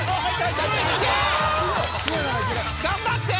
頑張って！